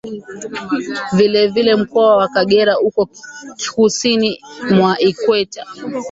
Vile vile Mkoa wa Kagera uko Kusini mwa Ikweta